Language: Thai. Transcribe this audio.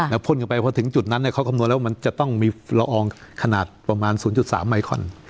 แล้วพ่นกันไปพอถึงจุดนั้นเขาคำนวณแล้วมันจะต้องมีละอองขนาดประมาณ๐๓ไมคอน